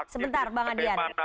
sebentar bang adrian